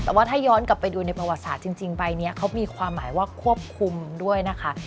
แต่ว่าถ้าย้อนกลับไปดูในประวัติศาสตร์จริงใบนี้เขามีความหมายว่าควบคุมด้วยนะคะ